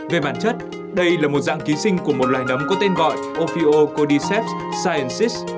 về bản chất đây là một dạng ký sinh của một loại nấm có tên gọi ophiocordyceps sciensis